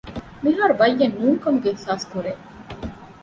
މިހާރު ބައްޔެއް ނޫންކަމުގެ އިޙްސާސްކުރޭ